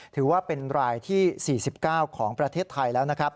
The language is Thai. ถือว่าเป็นรายที่๔๙ของประเทศไทยแล้วนะครับ